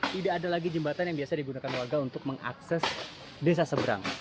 tidak ada lagi jembatan yang biasa digunakan warga untuk mengakses desa seberang